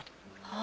あ。